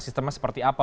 sistemnya seperti apa